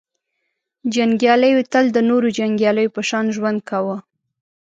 • جنګیالیو تل د نورو جنګیالیو په شان ژوند کاوه.